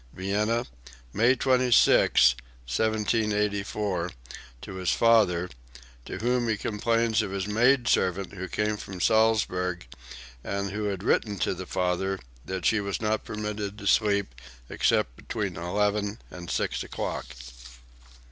(Vienna, May 26, 1784, to his father, to whom he complains of his maid servant who came from Salzburg and who had written to the father that she was not permitted to sleep except between 11 and 6 o'clock.)